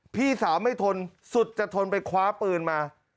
พี่สาวไม่ทนสุดจะทนไปคว้าปืนมา